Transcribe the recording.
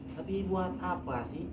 tapi buat apa sih